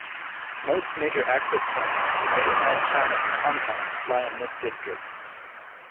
Most major access points to Mainland China from Hong Kong lie in this district.